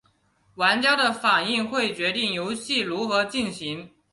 玩家的反应会决定游戏如何进行。